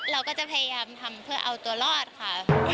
เราก็จะพยายามทำเพื่อเอาตัวรอดค่ะ